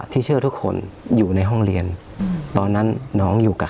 ที่เชื่อทุกคนอยู่ในห้องเรียนตอนนั้นน้องอยู่กับ